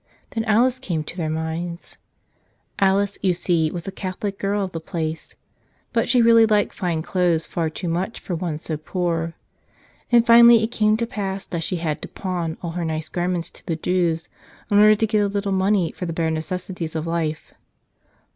Then Alice came to their minds. Alice, you see, was a Catholic girl of the place. But she really liked fine clothes far too much for one so poor. And finally it came to pass that she had to pawn all her nice garments to the Jews in order to get a little money for the bare necessities of life.